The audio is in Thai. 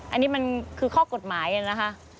อันนี้มันคือข้อกฎหมายนะคะ